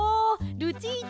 ルチータ